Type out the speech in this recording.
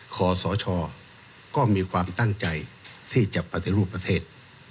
ขอสชก็มีความตั้งใจที่จะปฏิรูปประเทศ